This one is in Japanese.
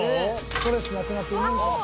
ストレスなくなって産むのかな？